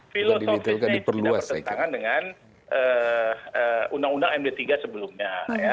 filosofinya tidak berhentangan dengan undang undang md tiga sebelumnya